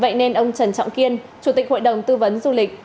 vậy nên ông trần trọng kiên chủ tịch hội đồng tư vấn du lịch